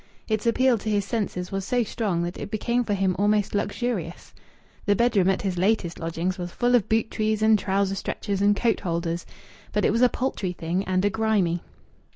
Its appeal to his senses was so strong that it became for him almost luxurious. The bedroom at his latest lodgings was full of boot trees and trouser stretchers and coat holders, but it was a paltry thing and a grimy.